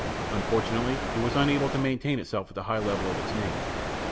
Unfortunately, it was unable to maintain itself at the high level of its name.